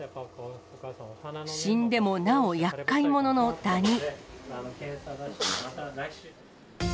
死んでもなおやっかい者のダニ。